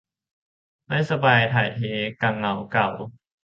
ไม่สบายถ่ายเทกะเหงาเก๋า